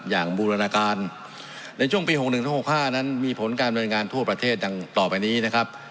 อย่างบูรณการในช่วงปี๖๑๖๕นั้นมีผลการบริเวณงานทั่วประเทศอย่างต่อไปนี้นะครับ